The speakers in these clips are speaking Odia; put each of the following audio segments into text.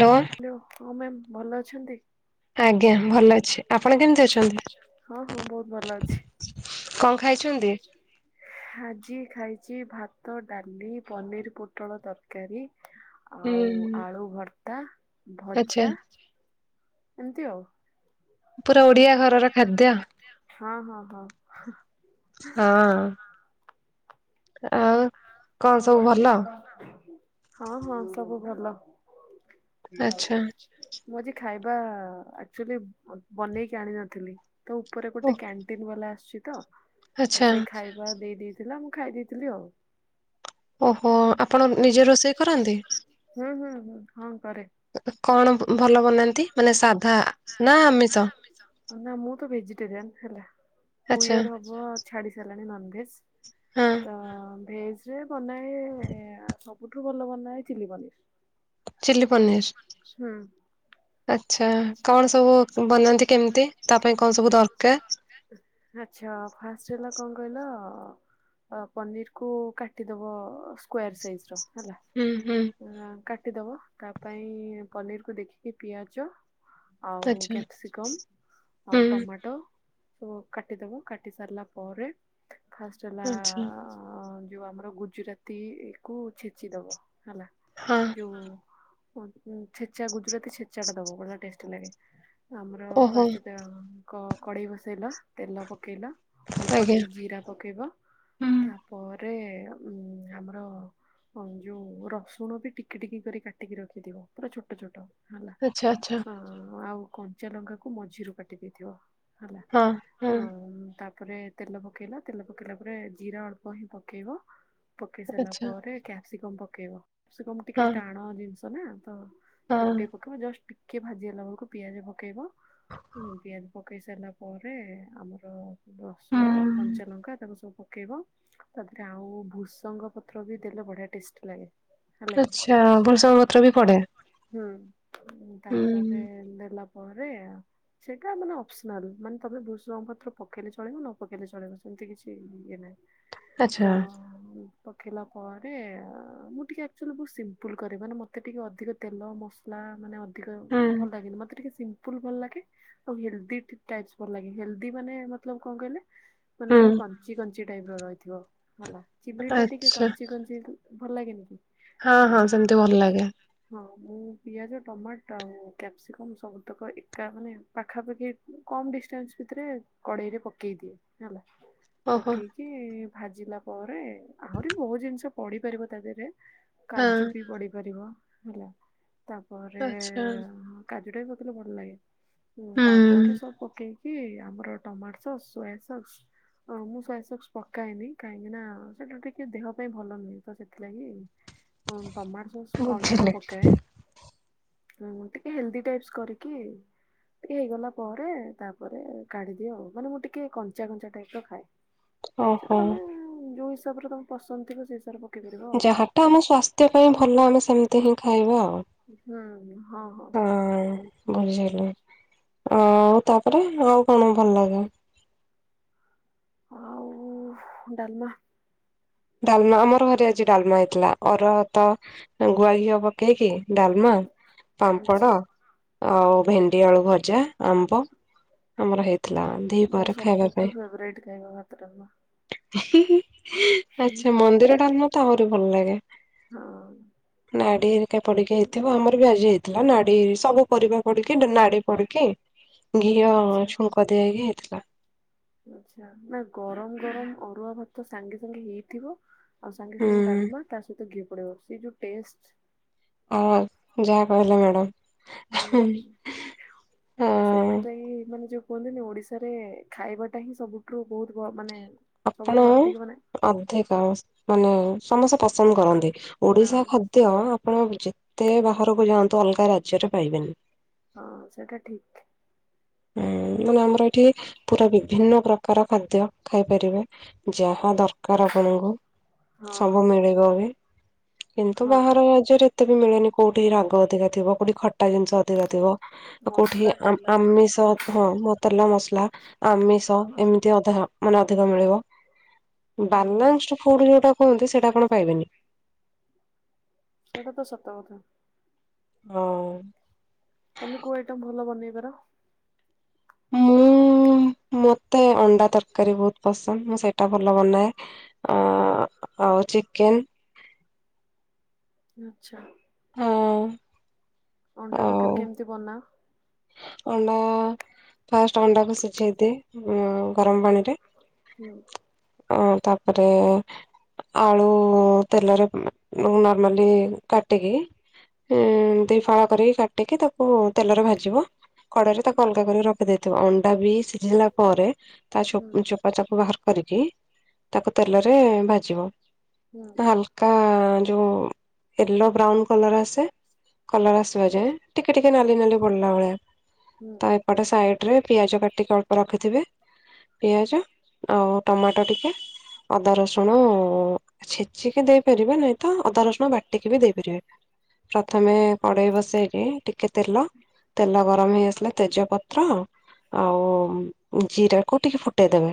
ହ୍ୟାଲୋ। ହଁ ମ୍ୟାମ୍ ଭଲ ଅଛନ୍ତି? ଆଜ୍ଞା ଭଲ ଅଛି ଆପଣ କେମିତି ଅଛନ୍ତି ହଁ ହଁ ବହୁତ ଭଲ ଅଛି। କଣ ଖାଇଛନ୍ତି? ଆଜି ଖାଇ ଚି ଭାତ, ଡାଲି, ପନିର, ପୋଟଳ ତରକାରୀ ହୁଁ ଆଉ ହୁଁ। ଆଳୁ ଭର୍ ଆଁ ଆଚ୍ଛା ଭଜା ଏମିତି ଆଉ। ପୁରା ଓଡ଼ିଆ ଘରର ଖାଦ୍ୟ ହଁ। ହଁ ହଁ ହଁ। ଆଉ କଣ ସବୁ ଭଲ ହଁ ହଁ ସବୁ ଭଲ। ଆଚ୍ଛା। ଆଚ୍ଛା ମୁଁ ଆଜି ଖାଇବା ଆକଚୁଆଲି ବନେଇକି ଆଣିିନଥିଲି। ତ ଉପରେ ଓ ଗୋଟେ କ୍ୟାଣ୍ଟିନ ବାଲା ଆସୁଚ ତ ଆଚ୍ଛା। ସେ ଖାଇବା ଦେଇ ଦେଇ ଥିଲା ମୁଁ ଖାଇ ଦେଇେଥିଲି ଆଉ। ଓହୋ ଆପଣ ନିଜେ ରୋଷେଇ କରନ୍ତି? ହୁଁ ହୁଁ ହଁ। ଘରେ। କଣ ଭଲ ବନାନ୍ତି ମାନେ ସାଧା ନା ଆମିଷ। ନା ମୁଁ ତ ଭେଜିଟେରିଆନ ହେଲା। ଟୁ ଆଚ୍ଛା ଇୟର ହବ। ଛାଡ଼ିସାରିଲାଣି ନନଭଜ୍। ହଁ ତ। ଭେଜ ରେ ବନାଏ। ସବୁଠୁ ଭଲ ମନ ଚିଲି ପନିର। ଚିଲ୍ଲି ପନୀର୍। ବନାନ୍ତି କେମିତି ତା ପାଇଁ କଣ ସବୁ ଦରକାର? ଆଛା ଫାଷ୍ଟ୍ ହେଲା କଣ କହିଲ ପନିରକୁ କାଟିଦବ ସ୍କ୍ୱୟର୍ ସାଇଜ ର ହୁଁ ହୁଁ ହେଲା କଟ କଟି ଦବା ତା ପାଇଁ ପନିରକୁୁ ଦେଖିକି ପିଆଜ। ଆଉ ଆଚ୍ଛା କ୍ୟାପସିକମ ଆଉ ହୁଁ ଟମାଟୋ। ସ କଟିଦେବ କଟି ସରିଲା ପରେ ଫାଷ୍ଟ ହେଲା ଆଚ୍ଛା ଆ ଆ ଯଉ ଆମର ଗୁଜୁରାତି କୁ ଛେଚିଦବ। ହେଲା ହଁ ଯଉ ହ ହଁ ଛେଚ ଗୁ ଗୁର ଛେଚାଟା ଦେବ [inaudible] ଆମର ଓହୋ ଫାଷ୍ଟ କ କଡ଼େଇ ବସେଇଲ। ତେଲ ପକେଇଲ ଅଳ୍ପ ଆଜ୍ଞା। ଟିକେ ଜିରା ପକେଇବ ହୁଁ ତାପରେ ପରେରେ ଆମର ଯେଉଁ ରସୁଣ ବି ଟିକି ଟିକି କରି କାଟିକି ରଖିଥିବ ପୁରା ଛୋଟ ଛୋଟ। ହେଲା। ଆଛା ଆଚ୍ଛା। ହଁ ଆଉ କଞ୍ଚା ଲଙ୍କା କ ମଝିରୁ କାଟି ଦେଇେଇଥିବ। ହେଲା ହଁ ହଁ ହମ ତା। ତାପରେ ତେଲ ପକେଇଲା ତେଲ ପକେଇଲା ପରେ ଜିରା ଅଳ୍ପ ହିଁ ପକେଇବ। ପକେଇସର୍ଲା ଆଚ୍ଛା ପରେ କ୍ୟା ସିକମ୍ ପକାଇବ। କ୍ୟାପିସିକମ ଟିକିଏ ହଁ ଟାଣ [inaudible] ତ ହଁ ତାକୁ ଟିକେ ପକେଇବା ଜଷ୍ଟ କିଏ ଭାଜିଗଲା ବେଳକୁ ପିଆଜ ପକାଇବ। ହଁ କି [inaudible] ପକାଇ ସାରିଲା ପରେ ଆମର ରସୁଣ ହୁଁ କଞ୍ଚାଲଙ୍କା ତାକୁ ସବୁ ପକାଇବ ତା ଦେହରେ ଆଉ ଭୁସଙ୍ଗ ପତ୍ର ବି ଦେଲେ ବଢ଼ିଆ ଟେଷ୍ଟ ଲାଗେ। ଆଛା ଭୃସଙ୍ଗ ପତ୍ର ବି ପଡେ ହୁଁ। ହୁଁ ତାପରେ ଦେଲା ପରେ ସେଇଟା ମାନେ ଅପସନାଲ୍ ମାନେ ତମେ ଭୁଷ ଜଙ୍ଗପତ୍ର ପକେଇଲେ ଚଳେଇିବ ନ ପକେଇଲେ ଚଳେଇବ ସେମିତି କିଛି ଇଏ ନାହିଁ। ତ ଆଚ୍ଛା ପଖେଇଲା ପରେ ମୁଁ ଟିକେ ଆଚୁଲି ବହୁତ ସିମ୍ପଲ କରେ ମାନେ ମତେ ଟିକେ ଅଧିକ ତେଲ ମସଲା ମାନେ ଟିକ ହୁଁ ଭଲ ଲାଗେନ ମତେ ଟିକେ ଲ ଭଲ ଲାଗେ ଆଉ ହେଲଦି ଭଲ ଲାଗେ ହେଲଦି ମାନେ ମ କଣ କହିଲେ? ମାନେ ଟିକେ ହୁଁ କଞ୍ଚି କଞ୍ଚି ଟାଇପ ର ରହିଥିବ। ହେଲା ଚିବଲି ଟା ଟିକେ ଆଚ୍ଛା କଞ୍ଚି କଞ୍ଚି ଭଲ ଲାଗେନି କି? ହଁ ଲା ହଁ ସେମିତି ଭଲ ଲାଗେ ହଁ ମୁଁ ପିଆଜ ଟମାଟ ଆଉ କ୍ୟାପ୍ସିକମ୍ ସବୁତକ ଏକା ମାନେ ପାଖାପାଖି କମ୍ ଡିଷ୍ଟାନ୍ସ ଭିତରେ କଡ଼େଇରେ ପକେଇ ଦିଏ ହେଲା। ଓହୋ ପକେଇକି ଭାଜିଲା ପରେ ଆହୁରି ବହୁତ ଜିନିଷ ପଢି ପାରିବ ତା ଦେହରେ। ହଁ କାଜୁ ବି ପଡି ପାରିବ। ହେଲା। ତାପରେ ହଁ। ସେଉଟା ବି କଥିଲେଲେ ଭଲ ଲାଗେ। ହୁଁ ତାପରେ ସପକେ କି ଆମର ଟମାଟୋ ସସ୍ ସୋୟା ସସ୍ ମୁଁ ସୋୟା ସକ୍ସ ପକାଏନି କାହିଁକିନା ସେଇଟା ଟିକିେ ଦେହ ପାଇଁ ଭଲ ନୁହେଁ ତ ସେଥିଲାଗି ହଁ ଟମାଟୋ ସସ୍ ଅଳ୍ପ ବୁଝିଲି ପକ ହ ଟିକେ ହେଲ୍ଦି ଟାଇପ୍ସ କରିକି ଟିକେ ହେଇଗଲା ପରେ ତାପରେ କାଢ଼ିଦିଅ ଆଉ ମାନେ ମୁଁ ଟିକେ କଞ୍ଚା କଞ୍ଚା ଟାଇପ ର ଖାଏ। ସେଟା ଓହୋ ତମେ ଯୋଉ ହାବରେ ତମେ ପସନ୍ଦ ଥିବ ସେସବ ଯାହାଟା ଆମ ସ୍ଵାସ୍ଥ୍ୟ ପାଇଁ ଭଲ ଆମେ ସେମିତି ହିଁ ଖାଇବା ଆଉ। ହୁଁ ହଁ ହଁ। ବୁଝିଲୁ ଆଉ ତାପରେ ଆଉ କଣ ଭଲ ଲାଗେ ଆଉ ଡାଲମା ଡାଲମା ଆମର ଘରେ ଆଜି ଡାଲମା ହେଇଥିଲା ଅରହ ତ ଗୁଆ ଘିଅ ପକେଇକି ଡାଲମା ଆଚ୍ଛା ପାମ୍ପଡ଼ ଆଉ ଭେଣ୍ଡି ଆଳୁ ଭଜା ଆମ୍ବ ଆମର ହେଇ ଥିଲା ମୋର ଦିପାର ଖାଇବା ସବୁଠୁ ପାଇଁ ଫେବରାଇଟ୍ ଖାଇବା ଭାତ ଡାଲମା। ଆଚ୍ଛା ମନ୍ଦିରଟା ତାହୁରି ଭଲ ଲାଗେ। ହଁ। ନାଡ଼ି ପଡିକି ହେଇଥିବ ଆମର ବି ଆଜି ହେଇଥିଲା ନାଡି ସବୁ ପର ପଡିକି ପଡିକି ଘିଅ ଛୁଙ୍କ ଦିଆକି ହେଇଥିଲା। ଆଛା ନା ଗରମ ଗରମ ଅରୁଆ ଭାତ ସାଙ୍ଗେ ସାଙ୍ଗେ ହେଇଥିବ। ଆଉ ସାଙ୍ଗେ ସାଙ୍ଗେ ହୁଁ ଡାଲମା ତା ସହିତ ଗି ପଡ଼ ସେି ଯେଉଁ ଟେଷ୍ଟ ଆଁ ଯାହା କହିଲା ମ୍ୟାଡାମ ହୁଁ ସେଥିପାଇଁ ମାନେ ଯୋଉ କୁହନ୍ତିନି ଓଡିଶାରେ ଖାଇବାଟା ହିଁ ସବୁଠୁ ବହୁତ ମାନେ ଆପଣ ସବୁଠାରୁ ଅଧିକ ମାନେ ଅଧିକା ମାନେ ସମସ୍ତେ ପସନ୍ଦ କରନ୍ତି ନା ଓଡିଶା ଖାଦ୍ୟ ଆପଣ ଯେତେ ବାହାରକୁ ଯାଆନ୍ତି। ଅଲଗା ରାଜ୍ୟରେ ପାଇବେନି ହଁ ସେଟା ଠିକ୍। ହୁଁ ମାନେ ଆମର ଏଠି ପୁରା ବିଭିନ୍ନ ପ୍ରକାର ଖାଦ୍ୟ ଖାଇପାରିବେ ଯାହା ଦରକାର ଆପଣଙ୍କୁ ସବୁ ହଁ ମିଳିଗଲେ। କିନ୍ତୁ ହଁ ବାହାର ରାଜ୍ୟରେ ଏତେ ବି ମିଳେନି କୋଉଠି ରାଗ ଅଧିକା ଥିବ କୋଉଠି ଟା ଜିନିଷ ଅଧିକାଥିବ କୋଉଠି ମସଲା ତେଲ ଆମିଷ ହଁ ମ ତେଲ ମସଲା ଆମିଷ ଏମିତି ଅଧା ମାନେ ଅଧିକ ମିଳିବ। ହୁଁ ବାନ୍ସାଟ ଫୁଡ ଯୋଉଟା କୁହନ୍ତି ସେଟା କଣ ପାଇବେନି ସେଟା ତ ସତକଥା ହଁ। ତମେ କୋଉ ଆଇଟମ୍ ଭଲ ବନେଇପାର ମୁଁ ମତେ ଅଣ୍ଡା ତରକାରୀ ବହୁତ ପସନ୍ଦ ମୁଁ ସେଇଟା ଭଲ ବନାଏ ଆଉ ଚିକେନ ଆଚ୍ଛା। ହଁ। ଅଣ୍ଡା ଦରକରି ଆଉ କେମିତି ବନା ଅଣ୍ଡା ହଁ ଗରମ ପାଣିରେ ହୁଁ [unintelligible] ଅ ଅଁ ତାପରେ ଆଳୁ ତେଲରେ ନର୍ମାଲି କାଟିକି ଦି ଫାଳ କରି କାଟିକି ତାକୁ ତେଲରେ ଭାଜିବ କଢେଇରେ ତାକୁ ଅଲଗା କରିକି ରଖିଦେଇଥିବ ଅଣ୍ଡା ବି ସିଝିଲା ପରେ ତା ହୁଁ ଚୋପ ଚାପୁ ବାହାର କରିକିି ତାକୁ ତେଲରେ ଭାଜିବ ହୁଁ ହାଲକା ହଁ ଯୋଉ ତେଲ ବ୍ରାଉନ କଲର ଆସେ କଲର ଆସିବା ଯାଏ ଟିକେ ଟିକେ ନାଲି ହୁଁ ନାଲି ପଡିଲା ଭଳିଆ ହୁଁ ତ ଏପଟେ ସାଇଡ ରେ ପିଆଜ କାଟିକି ଅଳ୍ପ ରଖିଥିବେ ପିଆଜ ଆଉ ଟମାଟ ଟ ଟିକେ ଅଦା ରସୁଣ ଛେଚିକି ଦେଇ ପାରିବେ ନହିଁ ତ ଅଦା ରସୁଣ ବାଟିକି ବି ଦେଇପାରିବେ ପ୍ରଥମେ କଢେଇ ବସେଇକି ଟିକେ ତେଲ ତେଲ ଗରମ ହେଇ ଆସିଲା ତେଜପତ୍ର ଆଉ ଜିରା କୁ ଟିକେ ଫୁଟେଇଦେବେ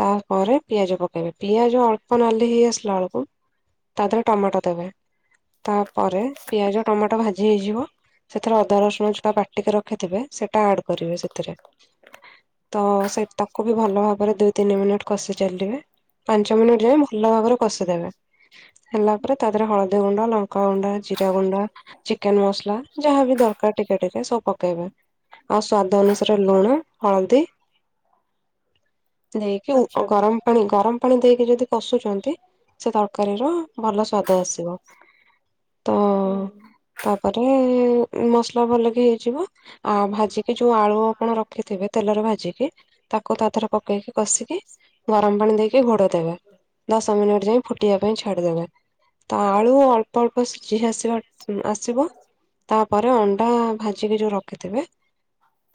ତାପରେ ପିଆଜ ପକେଇବେ ପିଆଜ ଅଳ୍ପ ନାଲି ହେଇ ଆସିଲା ବେଳକୁ ତା ଦେହରେ ଟମାଟୋ ଦେବେ ତାପରେ ପିଆଜ ଟମାଟୋ ଭାଜି ଭାଜି ହେଇଯିବ ସେଥିରେ ଅଦା ରସୁଣ ଯୋଉଟା ବାଟିକି ରଖିଥିବେ ସେଟା ଆଡ କରିବେ ସେଥିରେ ତ ତାକୁ ବି ଭଲ ଭାବରେ ଦ କାସି ଚାଲିବେ ପାଞ୍ଚ ମିନିଟ ଭଲ ଭାବରେ କଷିଦେବେ। ହେଲା ପରେ ତା ଦେହରେ ହଳଦୀ ଗୁଣ୍ଡ ଲଙ୍କାଗୁଣ୍ଡା ଜିରା ଗୁଣ୍ଡା ଚିକେନ ମସଲା ଯାହା ବି ଦରକାର ଟିକେ ଟିକେ ସବୁ ପକେଇବେ ଆଉ ସ୍ଵାଦ ଅନୁସାରେ ଲୁଣ ହଳଦୀ ଦେଇକି ଆଚ୍ଛା ଗରମ ପାଣି ଗରମ ପାଣି ଦେଇକି ଯୋଉ କଷୁ ଛନ୍ତି [inaudible] ଭଲ ସ୍ୱାଦ ଆସିବ ତ ହୁଁ ତାପରେ ମସଲା ଭଲକି ହେଇଯିବ ଆଉ ଭାଜି ହେଇ ଯୋଉ ଆଳୁ ଆପଣ ରଖିଥିବେ ତେଲରେ ଭାଜିକି ତାକୁ ତା ଦେହରେ ପକେଇକି କଷିକି ଗରମ ପାଣି ଦେଇକି ଘୋଡେଇ ଦେବେ ଦଶ ମିନିଟ ଫୁଟିବା ପାଇଁ ଛାଡିଦେବେ ତା ଆଳୁ ଅଳ୍ପ ଅଳ୍ପ ସିଝି ଆସିବା ଆସିବ ତାପରେ ଅଣ୍ଡା ଭାଜିକି ଯୋଉ ରଖିଥିବେ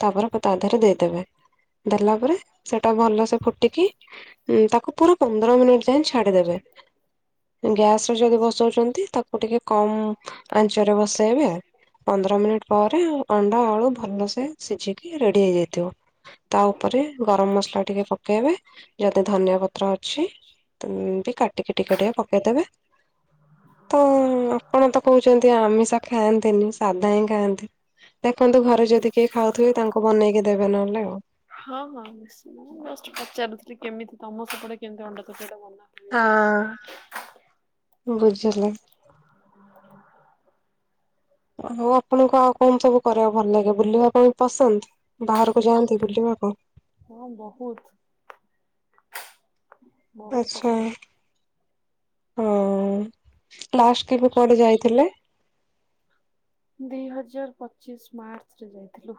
ତାପରେ ତା ଦେହରେ ଦେଇଦେବେ ଦେଲା ପରେ ସେଟା ଭଲ ଫୁଟିକି ତାକୁ ପୁରା ପନ୍ଦର ମିନିଟ ଯାଏ ଛାଡି ଦେବେ ଗ୍ୟାସ ଯଦି ବସାଉଛନ୍ତି ତାକୁ ଟିକେ କମ ଆଞ୍ଚରେ ବସେଇବେ ପନ୍ଦର ମିନିଟ ପରେ ଅଣ୍ଡା ଆଳୁ ଭଲସେ ସିଝିକି ରେଡି ହେଇଯାଇଥିବ ତା ଉପରେ ଗରମ ମସଲା ଟିକେ ପ ପକେଇବେ ଯଦି ଧନିଆ ପତ୍ର ପ୍ର ଅଛି ତ ବି କାଟି ଟିକେ ଟିକେ ଟିକେ ପକେଇଦେବେ ତ ଆପଣ ତ କହୁଛନ୍ତି ଆମିଷ ଖାଆନ୍ତିନି ସାଧା ହିଁ ଖାଆନ୍ତି ଦେଖନ୍ତୁ ଘରେ ଯଦି କି ଖାଉଥିବ ତାଙ୍କୁ ବନେଇକି ଦେବେ ନହେଲେ ଆଉ। ହଁ ହଁ ନିଞ୍ଚିତ୍ ନା ପଚାରୁଥିଲି କେମିତି ତମ ସେପଟେ କେମିତି ଅଣ୍ଡା ତରକାରୀ ବନା ହୁଏ? ହ ବୁଝିଲି। ଆଉ ଆପଣଙ୍କୁ ଆଉ କଣ ସବୁ କରିବାକୁ ଭଲ ଲାଗେ ବୁଲିବାକୁ ପସନ୍ଦ। ବାହାରକୁ ଯାଆନ୍ତି ବୁଲିବାକୁ। ହଁ ବହୁତ ବହୁତ ଆଚ୍ଛା। ପସନ୍ଦ। ହଁ। ଲାଷ୍ଟ କେବେ କୁଆଡେ ଯାଇଥିଲେ? ଦି ହଜାର ପଚିସ୍ ମାର୍ଚ୍ଚରେ ଯାଇଥିଲୁ।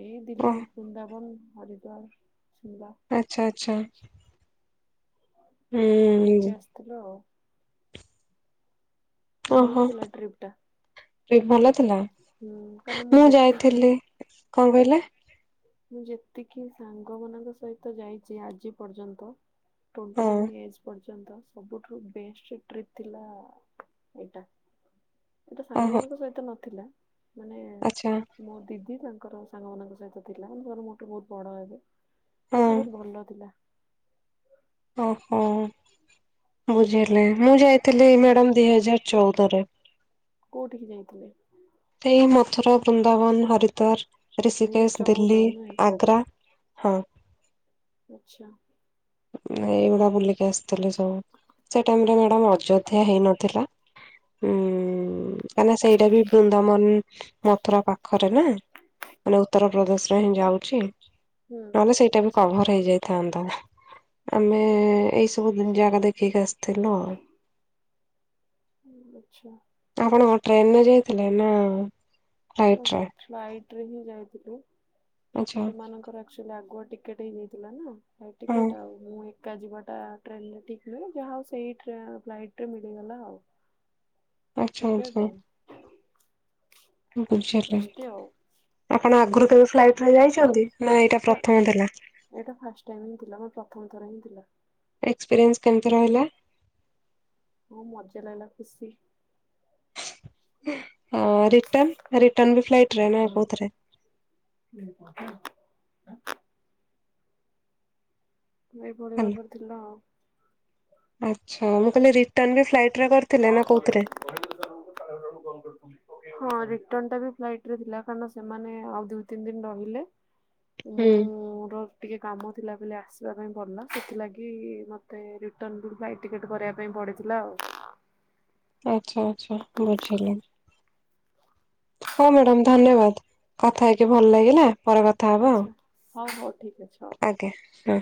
ଏଇ ଓ ଦିଲ୍ଲୀ ବୃନ୍ଦାବନ। ହରିଦ୍ୱାର। ଶିମଲା ଆଚ୍ଛା ଆଚ୍ଛା। ଯାଇକି ହୁଁ ବୁଲିକି ଆସିଥିଲୁ। ଭଲ ଓହୋ ଥିଲା ଟ୍ରିପ୍ ଟା ଟ୍ରିପ ଭଲ ଥିଲା ହୁଁ କାରଣ ମୁଁ ଯେତିକି ଯାଇଥିଲି। କଣ କହିଲେ? ମୁଁ ଯେତିକି ସାଙ୍ଗ ମାନଙ୍କ ସହିତ ଯାଇଛି ଆଜି ପର୍ଯ୍ୟନ୍ତ ଟ୍ୱେଣ୍ଟି ହଁ ନାଇନ୍ ଏଜ୍ ପ ସବୁଠୁ ବେଷ୍ଟ ଟ୍ରିପ ଥିଲା ଏଟା। ଏଇଟା ଓହୋ ସାଙ୍ଗମାନଙ୍କ ସହିତ ନଥିଲା। ମାନେ ଆଚ୍ଛା ମୋ ଦିଦି ତା ସାଙ୍ଗମାନଙ୍କ ସହିତ। ଥିଲା ମୋ ବହୁତ ବଡ଼ ହେବେ। ହଁ। ବହୁତ ଭଲ ଥିଲା। ଓହୋ। ବୁଝିଗଲି ମୁଁ ଯାଇଥିଲି ମ୍ୟାଡମ ଦି ହଜାର ଚଉଦରେ। କୋଉଠିକି ଯାଇଥିଲେ? ଏ ମଥୁରା। ବୃନ୍ଦାବନ ହରିଦ୍ୱାର ଦୁଇ ହଜାର ଋଷିକେଶ ଚଉଦ ଦିଲ୍ଲୀ ନୁହେଁ ଆଗ୍ରା। ହଁ। ଆଚ୍ଛା। ଏଇଗୁଡା ବୁଲିକି ଆସିଥିଲେି ସବୁ ସେ ଟାଇରେ ମ୍ୟାଡ ଅଯୋଧ୍ୟା ହେଇନଥିଲା ଉ କାହିଁକନା ସେଇଟା ବି ବୃନ୍ଦାବନ ମଥୁରା ପାଖରେ ନା ମାନେ ଉତ୍ତରପଦେଶ ରେ ହିଁ ଯାଉଛି। ହୁଁ ନହେଲେ ସେଇଟା ବି କଭର ହେଇଯାଇଥାନ୍ତା। ଆମେ ଏଇ ସବୁ ଜାଗା ଦେଖିକି ଆସିଥିଲୁ ଆଉ। ହୁଁ। ଆପଣଙ୍କ ଟ୍ରେନରେ ଯାଇଥିଲେ ନା? ଫ୍ଲାଇଟରେ? ଫ୍ଲାଇଟ ହିଁ ଯାଉଥିଲୁ। ଆଚ୍ଛା ସେମାନଙ୍କର ଆଚୁଆଲି ଆଗୁଆ ଟିକେଟ୍ ହେଇଯାଇଥିଲା ନା। ଏ ହଁ ଟିକେଟ ଆଉ ମୁଁ କା ଯିବା ଟା ଟ୍ରେନରେ ଠିକ ନୁହେଁ ଯାହା ହଉ ସେଇ ଫ୍ଲାଇଟ ରେ ମିଳିଗଲା ଆଉ ଆଛା ଟିକେଟ ଆଛା। ଆଉ ବୁଝା ଲି ଏମିତି ଆଉ ଆପଣ ଆଗରୁ କେବେ ଫ୍ଲାଇଟ ଯାଇ ଛନ୍ତି ଏଇଟା ଫାଷ୍ଟ ଟାଇମଏଟା ଥିଲା ମ ପ୍ରଥମ ଥର ହିଁ ଥିଲା। ଏକ୍ସପିରିଏନ୍ସ କେମିତି ରହିଲା? ହଁ ମଜା ଲାଗିଲା ଖୁସି। ଅ ରିଟନ। [unintelligible] ଏହିପରି ଭାବରେ ଥିଲା ଆଉ। ଆଛା ମୁଁ କହିଲ ରି ହଁ। ନ ଟା ବି ଫ୍ଲାଇଟ ରେ ଥିଲା କାରଣ ସେମାନେ ଆ ଦି ତିନ ଦିନ ରହିଲେ। ହୁଁ ମୁଁର ଟିକେ କାମ ଥିଲା ବୋଲି ଆସିବା ପାଇଁ ପଡ଼ିଲ ସେଥିଲାଗି ମୋତେ ରିଟର୍ଣ୍ଣ ବି ଫ୍ଲାଇଟ୍ ଟିକେଟ୍ କରିବା ପାଇଁ ପଡ଼ି ଥିଲା ଆଉ। ଆଚ୍ଛା ଆଚ୍ଛା ବୁଝିଲି। ହଁ ମ୍ୟାଡାାମ ହଉ ଧନ୍ୟବାଦ କଥା ହେଇକି ହଉ। ଭଲ ଲାଗିଲା ପରେ କଥା ହବା ଆଉ। ଆଚ୍ଛା ହଉ ହଉ। ଠିକ ଅଛ ହଉ। [inaudible] ଆଜ୍ଞା ହଁ।